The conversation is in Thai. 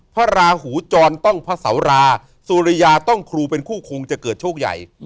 พระราหูจรต้องพระเสาราสุริยาต้องครูเป็นคู่คงจะเกิดโชคใหญ่